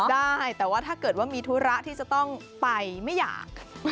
ได้แต่ว่าถ้าเกิดว่ามีธุระที่จะต้องไปไม่อยาก